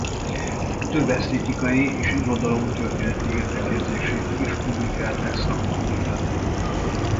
Több esztétikai és irodalomtörténeti értekezését is publikálták szakfolyóiratok.